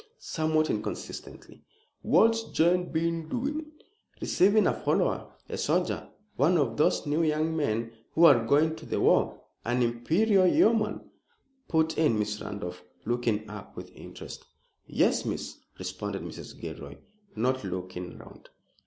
somewhat inconsistently, "what's Jane been doing?" "Receiving a follower a soldier one of those new young men who are going to the war." "An Imperial Yeoman?" put in Miss Randolph, looking up with interest. "Yes, Miss," responded Mrs. Gilroy, not looking round.